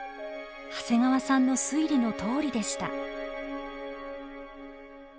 長谷川さんの推理のとおりでした。